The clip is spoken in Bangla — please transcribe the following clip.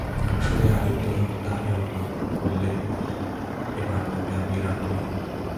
শুনেই আদিত্য দাঁড়িয়ে উঠল, বললে, এবার তবে আমি রাগ করি?